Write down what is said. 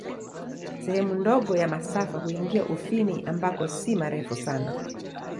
Sehemu ndogo ya masafa huingia Ufini, ambako si marefu tena.